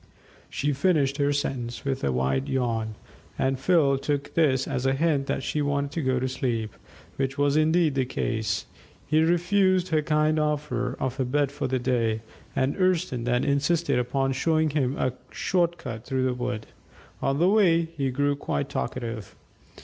She finished her sentence with a wide yawn, and Phil took this as a hint that she wanted to go to sleep which was indeed the case. He refused her kind offer of a bed for the day, and the Urson then insisted upon showing him a short cut through the wood. On the way he grew quite talkative.